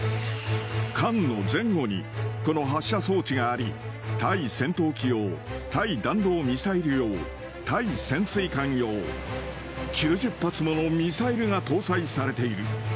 艦の前後に、この発射装置があり、対戦闘機用、対弾道ミサイル用、対潜水艦用、９０発ものミサイルが搭載されている。